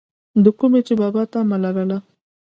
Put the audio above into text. دَکومې چې بابا طمع لرله،